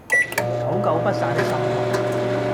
久久不散的心痛